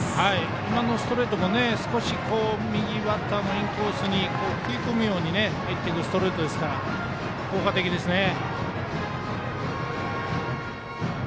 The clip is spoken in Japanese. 今のストレートも少し右バッターのインコースに食い込むように入ってくるストレートですから効果的ですね。